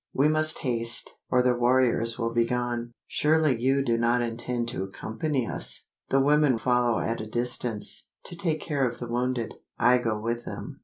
We must haste, or the warriors will be gone." "Surely you do not intend to accompany us?" "The women follow at a distance, to take care of the wounded. I go with them."